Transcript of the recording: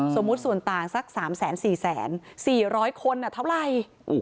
สมมุติส่วนต่างสัก๓๔๔๐๐คนเท่าไหร่